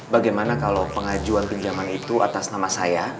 bagaimana kalau pengajuan pinjaman itu atas nama saya